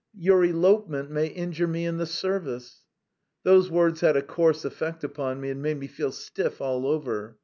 Your elopement may injure me in the service.' Those words had a coarse effect upon me and made me feel stiff all over.